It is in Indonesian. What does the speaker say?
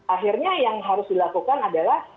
akhirnya yang harus dilakukan adalah